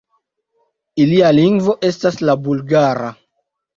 Ilia lingvo estas la bulgara.